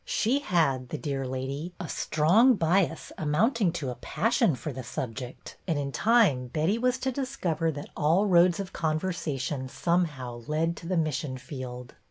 She had, the dear lady, a strong bias amounting to a passion for the subject, and in time Betty was to discover that all roads of conversation, somehow, led to the mission field.